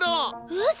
うそ！